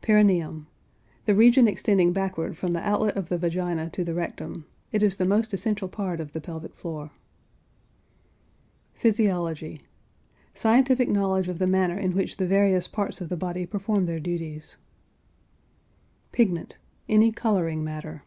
PERINEUM. The region extending backward from the outlet of the vagina to the rectum; it is the most essential part of the pelvic floor. PHYSIOLOGY. Scientific knowledge of the manner in which the various parts of the body perform their duties. PIGMENT. Any coloring matter.